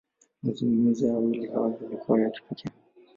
Mazungumzo ya wawili hawa, yalikuwa ya kipekee.